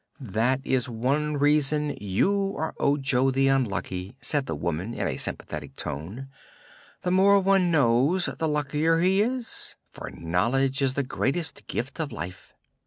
"That is one reason you are Ojo the Unlucky," said the woman, in a sympathetic tone. "The more one knows, the luckier he is, for knowledge is the greatest gift in life."